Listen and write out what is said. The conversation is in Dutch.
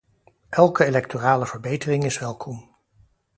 Elke electorale verbetering is welkom.